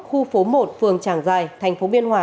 khu phố một phường tràng giài thành phố biên hòa